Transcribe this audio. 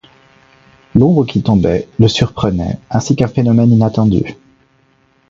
L'ombre qui tombait, le surprenait, ainsi qu'un phénomène inattendu.